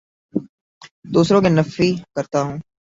دوسروں کے نفی کرتا ہوں